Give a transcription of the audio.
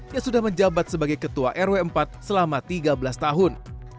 yang sudah menjabat sebagai ketua rw empat selama tiga belas tahun